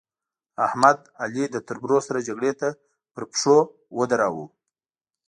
احمد؛ علي له تربرو سره جګړې ته په پشو ودراوو.